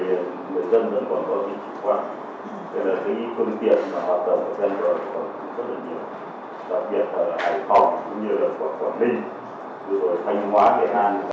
thế là cái công tiện mà họ tạo ra rất là nhiều đặc biệt là hải phòng cũng như là quảng ninh rồi thanh hóa nghệ an